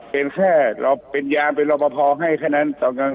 เป็นแค่เป็นยาเป็นรอบภองให้แค่นั้น